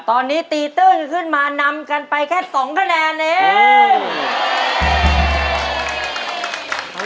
ตอนนี้ตีตื้นขึ้นมานำกันไปแค่๒คะแนนเอง